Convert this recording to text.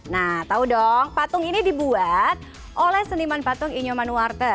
nah tahu dong patung ini dibuat oleh seniman patung inyomanuarte